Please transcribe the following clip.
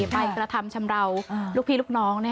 ไปกระทำชำราวลูกพี่ลูกน้อง